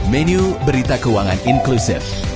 menu berita keuangan inklusif